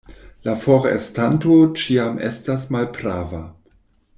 La forestanto ĉiam estas malprava.